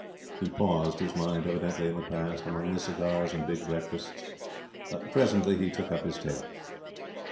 He paused, his mind evidently in the past, among the cigars and big breakfasts. Presently he took up his tale.